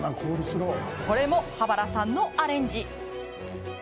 これも羽原さんのアレンジ。